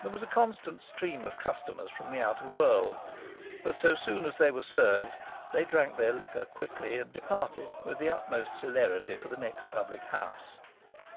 There was a constant stream of customers from the outer world, but so soon as they were served they drank their liquor quickly and departed with the utmost celerity for the next public house.